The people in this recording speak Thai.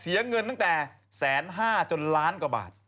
เสียเงินตั้งแต่๑๕๐๐จนล้านกว่าบาท